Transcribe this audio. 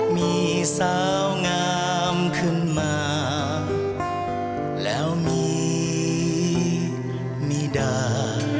มีสาวงามขึ้นมาแล้วมีมีด่า